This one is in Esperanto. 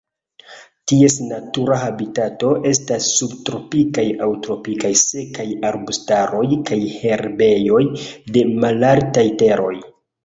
Ties natura habitato estas subtropikaj aŭ tropikaj sekaj arbustaroj kaj herbejoj de malaltaj teroj.